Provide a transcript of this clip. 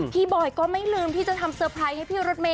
บอยก็ไม่ลืมที่จะทำเตอร์ไพรส์ให้พี่รถเมย